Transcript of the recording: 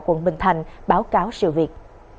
quận bình thạnh báo cáo sự việc